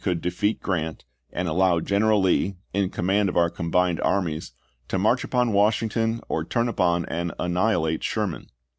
could "defeat Grant, and allow General Lee, in command of our combined armies, to march upon Washington or turn upon and annihilate Sher man."